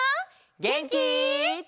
げんき？